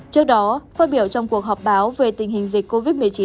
trước đó phát biểu trong cuộc họp báo về tình hình dịch covid một mươi chín